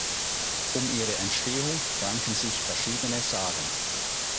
Um ihre Entstehung ranken sich verschiedene Sagen.